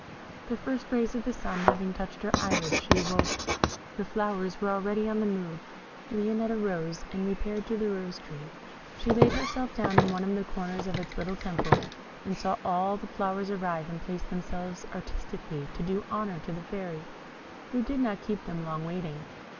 The first rays of the sun having touched her eyelids, she awoke: the flowers were already on the move. Lionette arose, and repaired to the Rose tree. She laid herself down in one of the corners of its little temple, and saw all the flowers arrive, and place themselves artistically to do honour to the Fairy, who did not keep them long waiting.